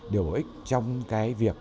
điều bổ ích trong cái việc